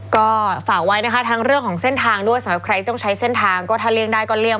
ก็ฝากไว้นะคะทั้งเรื่องของเส้นทางด้วยสำหรับใครที่ต้องใช้เส้นทางก็ถ้าเลี่ยงได้ก็เลี่ย